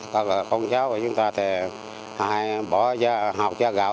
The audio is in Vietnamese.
còn con cháu của chúng ta thì hay bỏ ra học ra gạo